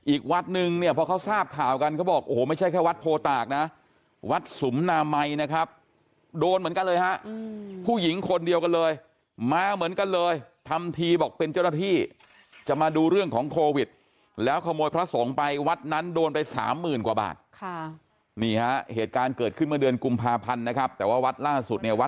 อีกวัดนึงเนี่ยพอเขาทราบข่าวกันเขาบอกโอ้โหไม่ใช่แค่วัดโพตากนะวัดสุมนามัยนะครับโดนเหมือนกันเลยฮะผู้หญิงคนเดียวกันเลยมาเหมือนกันเลยทำทีบอกเป็นเจ้าหน้าที่จะมาดูเรื่องของโควิดแล้วขโมยพระสงฆ์ไปวัดนั้นโดนไปสามหมื่นกว่าบาทค่ะนี่ฮะเหตุการณ์เกิดขึ้นเมื่อเดือนกุมภาพันธ์นะครับแต่ว่าวัดล่าสุดเนี่ยวัด